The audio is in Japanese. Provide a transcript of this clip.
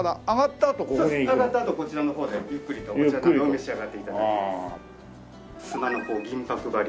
上がったあとこちらの方でゆっくりとお茶などを召し上がって頂きます。